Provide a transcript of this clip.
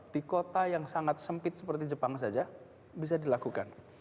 di kota yang sangat sempit seperti jepang saja bisa dilakukan